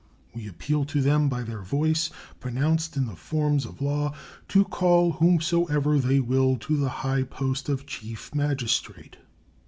We appeal to them, by their voice pronounced in the forms of law, to call whomsoever they will to the high post of Chief Magistrate.